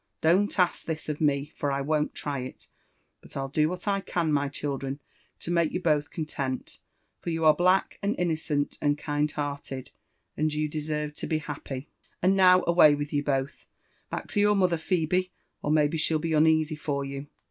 Don't ask this of me, for I won't try it : but I'll do what I can, my ehildren, to make you both content, for you are black and innocent and kind hearted, and you deserve to be happy. And now away with you both ! Back to your mother, Phebe, or maybe she'll be uneasy for you.